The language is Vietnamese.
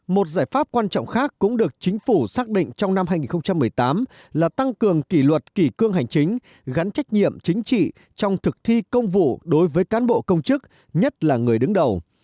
một giải pháp quan trọng khác cũng được chính phủ xác định trong năm hai nghìn một mươi tám là tăng cường kỷ luật kỷ cương hành chính gắn trách nhiệm chính trị trong thực thi công vụ đối với cán bộ công chức nhất là người đứng đầu